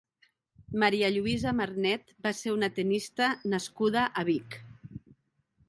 María Luisa Marnet va ser una tennista nascuda a Vic.